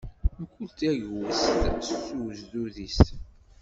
Mkul tagwest s uzduz is.